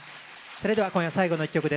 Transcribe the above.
それでは今夜最後の一曲です。